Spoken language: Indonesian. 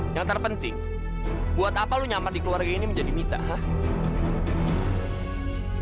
yang terpenting buat apa lu nyamar di keluarga ini menjadi mita hah